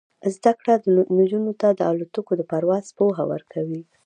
زده کړه نجونو ته د الوتکو د پرواز پوهه ورکوي.